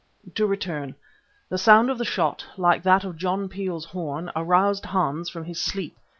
To return: the sound of the shot, like that of John Peel's horn, aroused Hans from his sleep.